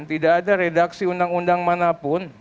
tidak ada redaksi undang undang manapun